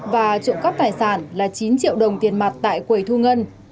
và trộm cắp tài sản là chín triệu đồng tiền mặt tại quầy thu ngân